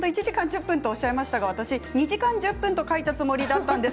１時間１０分とおっしゃいましたが私２時間１０分と書いたつもりでした。